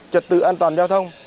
trật tự an toàn giao thông